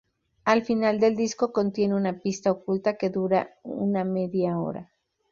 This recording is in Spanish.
Al final del disco contiene una pista oculta que dura una media hora.